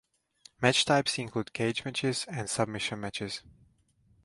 Match types include cage matches and submission matches.